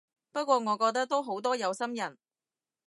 不過我覺得都好多有心人